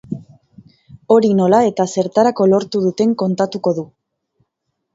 Hori nola eta zertarako lortu duten kontatuko du.